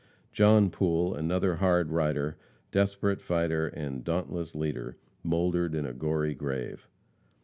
John Poole, another hard rider, desperate fighter and dauntless leader, mouldered in a gory grave.